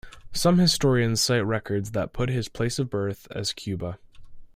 Some historians cite records that put his place of birth as Cuba.